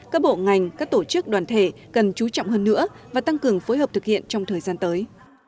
các bộ ngành các tổ chức đoàn thể cần chú trọng hơn nữa và tăng cường phối hợp thực hiện trong thời gian tới